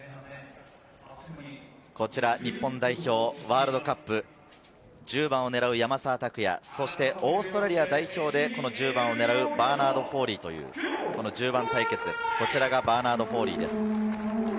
こちら日本代表、ワールドカップ１０番を狙う山沢拓也、そしてオーストラリア代表で１０番を狙うバーナード・フォーリー、１０番対決です。